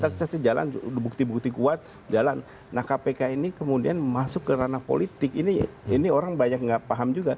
jalan bukti bukti kuat jalan nah kpk ini kemudian masuk ke ranah politik ini orang banyak nggak paham juga